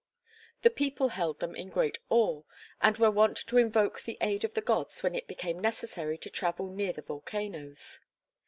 The people held them in great awe, and were wont to invoke the aid of the gods when it became necessary to travel near the volcanoes.